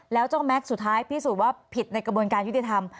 แล้วเจ้าแม็กซ์สุดท้ายพิสูจน์ว่าผิดในกระบวนการยุติธรรม